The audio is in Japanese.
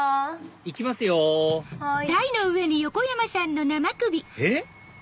行きますよえっ？